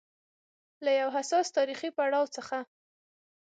له يو حساس تاریخي پړاو څخه